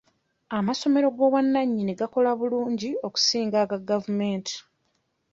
Amasomero g'obwannannyini gakola bulungi okusinga aga gavumenti.